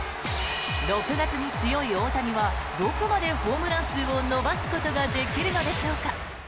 ６月に強い大谷はどこまでホームラン数を伸ばすことができるのでしょうか。